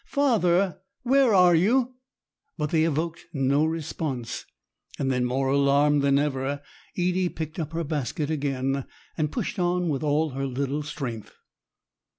father! Where are you?" But they evoked no response, and then, more alarmed than ever, Edie picked up her basket again, and pushed on with all her little strength.